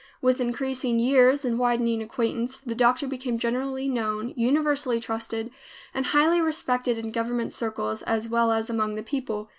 With increasing years and widening acquaintance, the doctor became generally known, universally trusted, and highly respected in government circles as well as among the people.